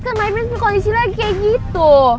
kan my prince kok kondisi lagi kayak gitu